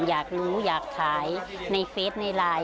อยากรู้อยากขายในเฟสในไลน์